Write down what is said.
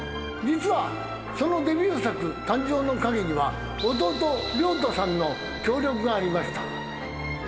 実はそのデビュー作誕生の陰には弟良太さんの協力がありました。